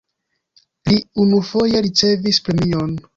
Li unufoje ricevis premion.